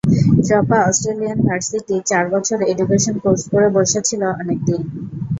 ত্রপা Australian ভার্সিটির চার বছর এডুকেশন কোর্স করে বসেছিল অনেক দিন।